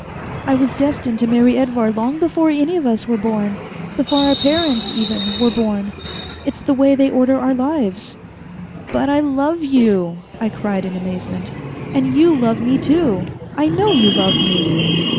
I was destined to marry Edvar long before any of us were born, before our parents, even, were born. It's the way they order our lives." "But I love you," I cried in amazement. "And you love me, too. I know you love me."